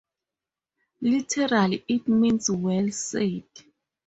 Literally, it means "well said".